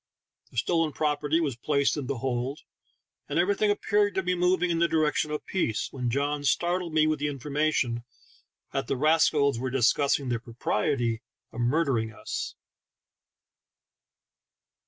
The stolen property was placed in the hold, and every thing appeared to be moving in the direction of peace, when John startled me with the informa tion that the rascals were discussing the propriety of murdering us